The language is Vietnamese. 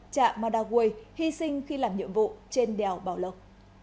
trạm madaway hy sinh khi làm nhiệm vụ trên đèo bảo lộc